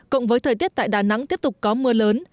cộng với thời tiết tại đà nẵng tiếp tục có mưa lớn